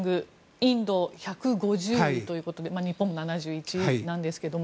インド、１５０位ということで日本は７１位なんですけれども。